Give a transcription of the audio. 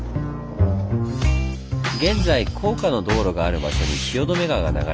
現在高架の道路がある場所に汐留川が流れ